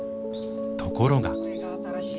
ところが。